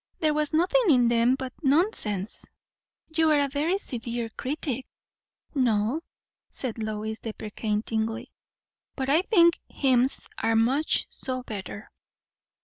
There was nothing in them but nonsense." "You are a very severe critic!" "No," said Lois deprecatingly; "but I think hymns are so much better."